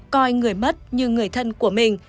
coi người mất như người thân của mình